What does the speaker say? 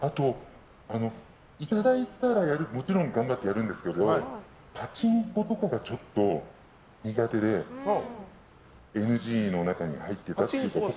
いただいたらもちろん頑張ってやるんですけどパチンコとかがちょっと苦手でＮＧの中に入っていた。